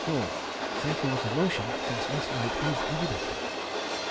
4, therefore the motion since last night is evident.